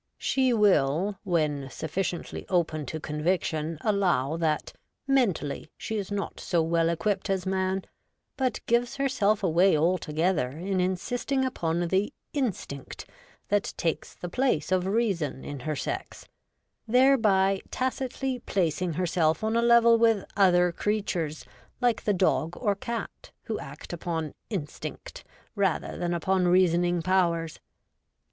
She will, when sufficiently open to conviction, allow that, mentally, she is not so well equipped as man, but gives herself away altogether in insisting upon the ' instinct ' that takes the place of reason in her sex ; thereby tacitly placing herself on a level with other creatures — like the dog or cat — who act upon ' instinct ' rather than upon reasoning powers.